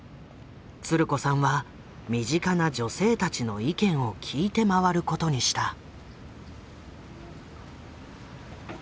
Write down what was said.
つる子さんは身近な女性たちの意見を聞いて回ることにした。